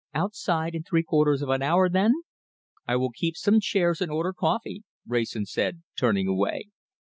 Outside in three quarters of an hour, then!" "I will keep some chairs and order coffee," Wrayson said, turning away.